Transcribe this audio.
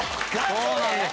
そうなんです。